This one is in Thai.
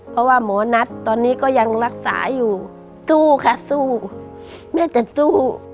เพราะว่าหมอนัทตอนนี้ก็ยังรักษาอยู่สู้ค่ะสู้แม่จะสู้